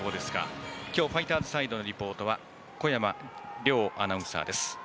今日、ファイターズサイドリポートは小山凌アナウンサーです。